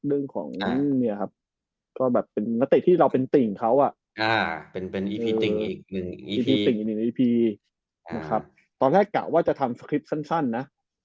แล้วแต่ที่เราเป็นติ่งเขาเป็นอีพีจริงอีกตอนแรกกล่าวว่าจะทำสคริปต์สั้นนะ